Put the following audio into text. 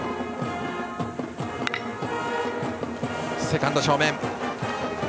セカンド正面。